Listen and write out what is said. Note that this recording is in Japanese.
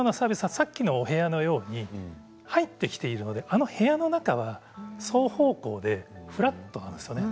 さっきのお部屋のように入ってきていいので部屋の中は双方向でフラットなんです。